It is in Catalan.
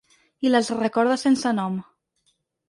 I les recorda sense nom.